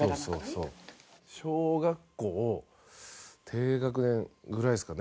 小学校低学年ぐらいですかね。